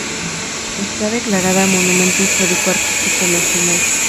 Está declarada Monumento Histórico Artístico nacional.